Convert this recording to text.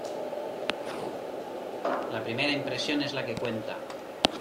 La primera impresión es la que cuenta.